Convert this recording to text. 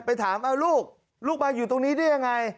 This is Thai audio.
ไปถามเอาลูกลูกมาอยู่ตรงนี้ได้ยังไง